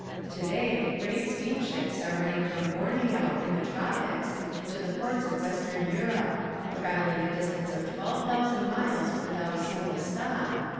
Today great steamships are running from Borneo, in the tropics, to the ports of Western Europe, traveling a distance of 12,000 miles without a single stop